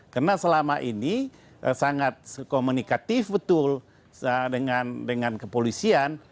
karena selama ini sangat komunikatif betul dengan kepolisian